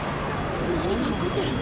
何が起こってるの？